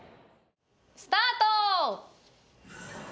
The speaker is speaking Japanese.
スタート！